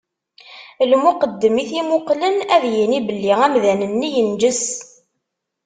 Lmuqeddem i t-imuqlen ad yini belli amdan-nni yenǧes.